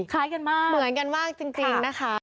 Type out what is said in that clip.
คล้ายกันมากเหมือนกันมากจริงจริงนะคะ